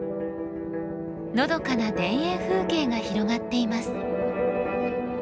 のどかな田園風景が広がっています。